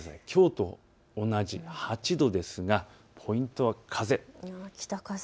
きょうと同じ８度ですがポイントは風です。